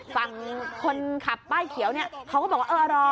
ฝั่งคนขับป้ายเขียวเนี่ยเขาก็บอกว่าเออรอ